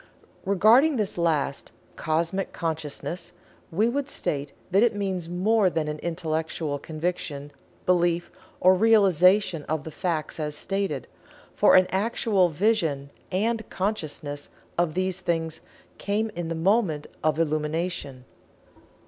Regarding this last, "Cosmic Consciousness," we would state that it means more than an intellectual conviction, belief or realization of the facts as stated, for an actual vision and consciousness of these things came in the moment of Illumination.